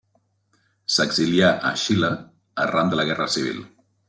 S'exilià a Xile arran de la Guerra Civil.